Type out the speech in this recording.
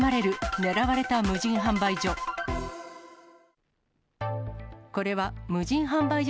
狙われた無人販売所。